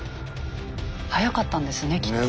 はやかったんですねきっと。